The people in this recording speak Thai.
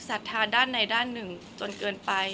คนเราถ้าใช้ชีวิตมาจนถึงอายุขนาดนี้แล้วค่ะ